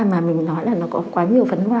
mà mình nói là nó có quá nhiều vấn hoa